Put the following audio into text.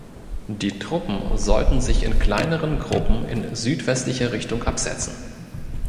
Die Truppen sollten sich in kleineren Gruppen in südwestlicher Richtung absetzen.